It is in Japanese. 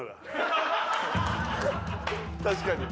確かに。